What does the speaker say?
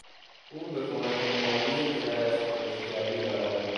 او به کمک مالی پدرش پشتگرمی دارد.